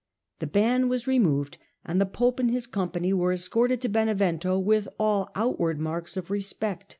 The ban was removed, and the pope and his company were escorted to Benevento with all outward marks of respect.